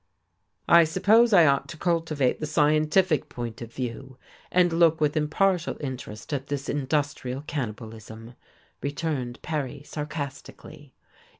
"I suppose I ought to cultivate the scientific point of view, and look with impartial interest at this industrial cannibalism," returned Perry, sarcastically.